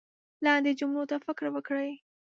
لاندې جملو ته فکر وکړئ